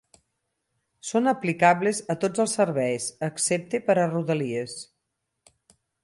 Són aplicables a tots els serveis, excepte per a Rodalies.